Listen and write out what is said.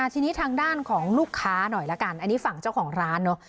ทีนี้ทางด้านของลูกค้าหน่อยละกันอันนี้ฝั่งเจ้าของร้านเนอะ